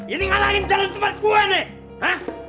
ini ngalahin jalan sempat gue nih